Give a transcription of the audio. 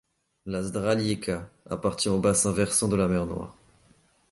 La Ždraljica appartient au bassin versant de la mer Noire.